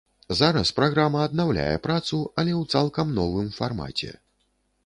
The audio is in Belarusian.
Зараз праграма аднаўляе працу, але ў цалкам новым фармаце.